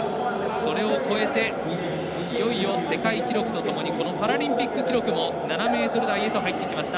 それを超えていよいよ世界記録とともにパラリンピック記録も７ｍ台へと入ってきました。